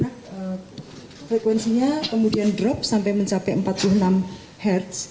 karena frekuensinya kemudian drop sampai mencapai empat puluh enam hz